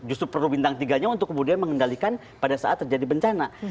justru perlu bintang tiga nya untuk kemudian mengendalikan pada saat terjadi bencana